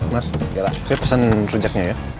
mas yala saya pesan rujaknya ya